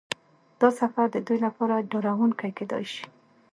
دا سفر د دوی لپاره ډارونکی کیدای شي